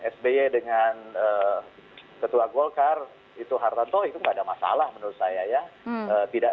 sby dengan ketua golkar itu hartanto itu tidak ada masalah menurut saya ya tidak